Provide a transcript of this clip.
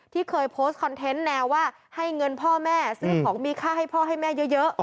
ที่เคยโพสต์คอนเทนต์แนวว่าให้เงินพ่อแม่ซื้อของมีค่าให้พ่อให้แม่เยอะ